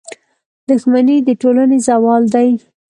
• دښمني د ټولنې زوال دی.